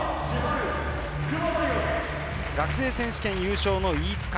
学生選手権優勝の飯塚。